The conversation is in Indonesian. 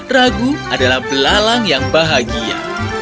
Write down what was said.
ragu adalah belalang yang bahagia